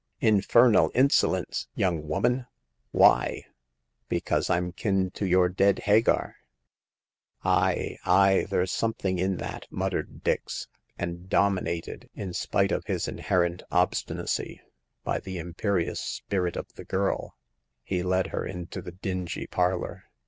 " Infernal insolence, young woman ! Why ?"^^ Because I'm kiii to your dead Hagar." The Coming of Hagar. 17 " Aye, aye, there's something in that," muttered Dix, and dominated, in spite of his inherent obstinacy, by the imperious spirit of the girl, he led her intothe dingy parlor.